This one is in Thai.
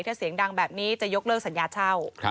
ถ้าเสียงดังแบบนี้จะยกเลิกสัญญาเช่า